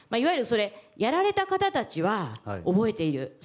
やられた方たちは覚えている。